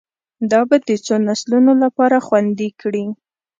دا به د څو نسلونو لپاره خوندي کړي